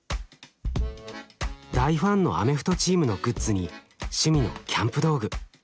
大ファンのアメフトチームのグッズに趣味のキャンプ道具。